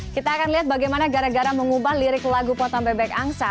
kita akan lihat bagaimana gara gara mengubah lirik lagu potong bebek angsa